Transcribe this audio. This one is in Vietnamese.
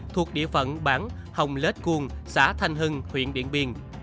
thuộc địa phận bản hồng lết cuông xã thanh hưng huyện điện biên